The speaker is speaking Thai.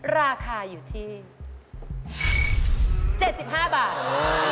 ราคาอยู่ที่๗๕บาท